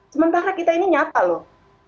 sementara kita ini nyata loh